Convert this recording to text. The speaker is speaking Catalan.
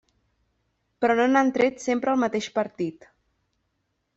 Però no n'han tret sempre el mateix partit.